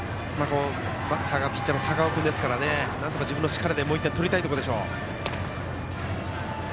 バッターはピッチャーの高尾君なのでなんとか自分の力でもう１点取りたいところでしょう。